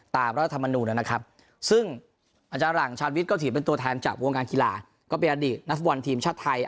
รัฐธรรมนูญนะครับซึ่งอาจารย์หลังชาญวิทย์ก็ถือเป็นตัวแทนจากวงการกีฬาก็เป็นอดีตนักฟุตบอลทีมชาติไทย